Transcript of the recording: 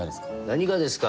「何がですか」